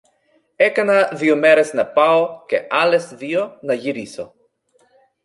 Έκανα δυο μέρες να πάω, και άλλες δυο να γυρίσω.